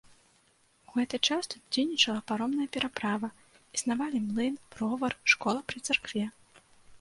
У гэты час тут дзейнічала паромная пераправа, існавалі млын, бровар, школа пры царкве.